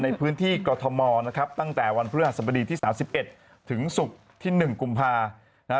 ในพื้นที่กรทมนะครับตั้งแต่วันพฤหัสบดีที่๓๑ถึงศุกร์ที่๑กุมภานะฮะ